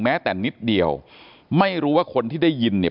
แม้แต่นิดเดียวไม่รู้ว่าคนที่ได้ยินเนี่ย